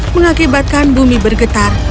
mengakibatkan bumi bergetar